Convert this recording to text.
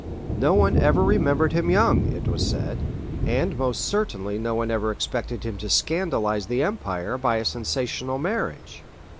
"No one ever remembered him young," it was said, and most certainly no one ever expected him to scandalize the empire by a sensational marriage.